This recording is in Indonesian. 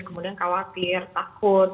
kemudian khawatir takut